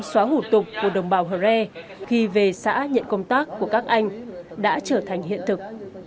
xóa hủ tục của đồng bào hờ re khi về xã nhận công tác của các anh đã trở thành hiện thực